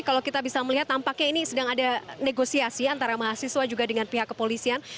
kalau kita bisa melihat tampaknya ini sedang ada negosiasi antara mahasiswa juga dengan pihak kepolisian